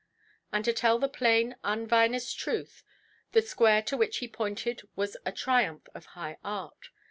And to tell the plain, unvinous truth, the square to which he pointed was a triumph of high art.